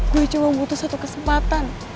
gue cuma butuh satu kesempatan